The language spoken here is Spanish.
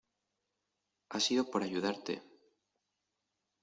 ha sido por ayudarte.